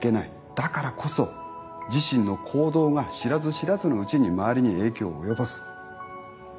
だからこそ自身の行動が知らず知らずのうちに周りに影響を及ぼす。